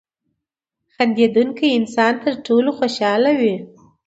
• خندېدونکی انسان تر ټولو خوشحاله وي.